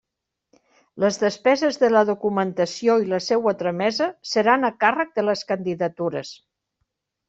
Les despeses de la documentació i la seua tramesa seran a càrrec de les candidatures.